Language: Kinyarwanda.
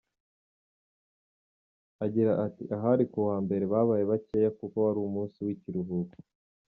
Agira ati “Ahari ku wa mbere babaye bakeya kuko wari umunsi w’ikiruhuko.